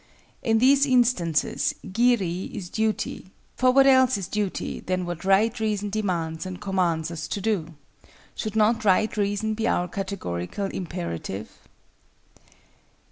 In these instances Giri is duty; for what else is duty than what Right Reason demands and commands us to do. Should not Right Reason be our categorical imperative?